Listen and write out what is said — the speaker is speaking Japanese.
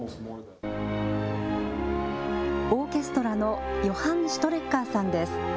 オーケストラのヨハン・シュトレッカーさんです。